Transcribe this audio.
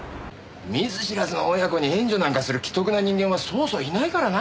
見ず知らずの親子に援助なんかする奇特な人間はそうそういないからな。